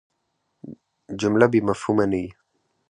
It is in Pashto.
جمله بېمفهومه نه يي.